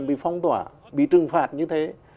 bị phong tỏa bị trừng phạt như thế